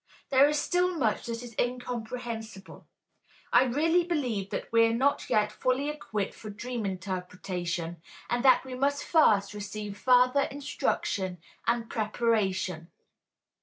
There is still much that is incomprehensible. I really believe that we are not yet fully equipped for dream interpretation, and that we must first receive further instruction and preparation.